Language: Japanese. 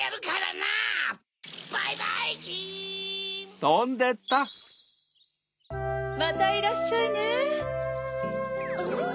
またいらっしゃいね。